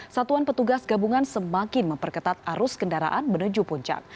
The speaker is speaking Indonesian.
satuan petugas gabungan semakin memperketat arus kendaraan menuju puncak